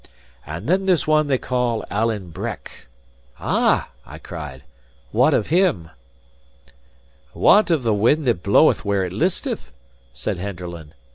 And then there's one they call Alan Breck " "Ah!" I cried, "what of him?" "What of the wind that bloweth where it listeth?" said Henderland.